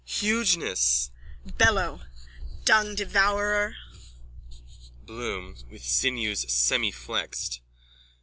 _ Hugeness! BELLO: Dungdevourer! BLOOM: _(With sinews semiflexed.)